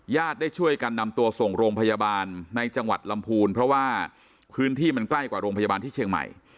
ได้ช่วยกันนำตัวส่งโรงพยาบาลในจังหวัดลำพูนเพราะว่าพื้นที่มันใกล้กว่าโรงพยาบาลที่เชียงใหม่